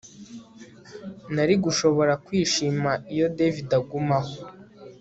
Nari gushobora kwishima iyo David agumaho